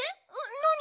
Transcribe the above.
なに？